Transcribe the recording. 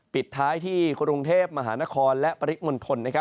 ปิดท้ายที่กรุงเทพมหานครและปริมณฑล